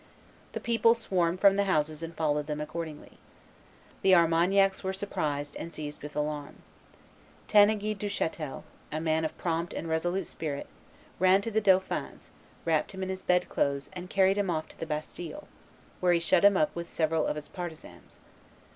The people swarmed from the houses and followed them accordingly. The Armagnacs were surprised and seized with alarm. Tanneguy Duchatel, a man of prompt and resolute spirit, ran to the dauphin's, wrapped him in his bed clothes, and carried him off to the Bastille, where he shut him up with several of his partisans.